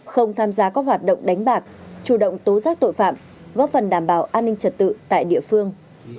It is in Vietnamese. không tham gia các hoạt động đánh bạc chủ động tố giác tội phạm góp phần đảm bảo an ninh trật tự tại địa phương